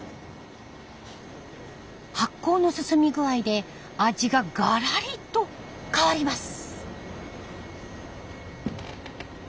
発酵の進み具合で味ががらりと変わります。